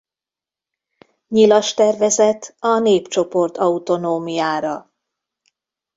Nyilas tervezet a népcsoport autonómiára.